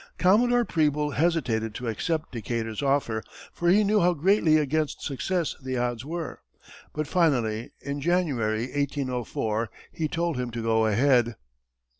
Commodore Preble hesitated to accept Decatur's offer, for he knew how greatly against success the odds were, but finally, in January, 1804, he told him to go ahead.